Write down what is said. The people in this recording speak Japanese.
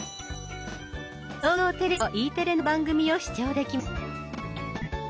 総合テレビとＥテレの番組を視聴できます。